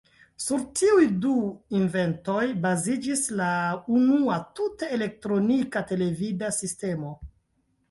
Sur tiuj du inventoj baziĝis la unua tute elektronika televida sistemo.